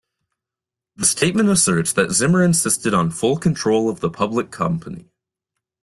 The statement asserts that Zimmer insisted on full-control of the public company.